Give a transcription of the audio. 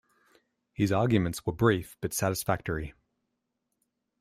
His arguments were brief but satisfactory.